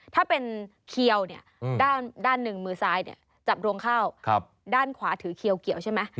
ถ้าเป็นเขียวเนี่ยด้านหนึ่งมือซ้ายจับรวงเข้าด้านขวาถือเขียวเกี่ยวใช่ไหม